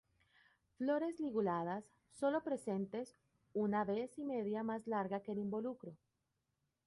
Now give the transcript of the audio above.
Flores liguladas sólo presentes, una vez y media más larga que el involucro.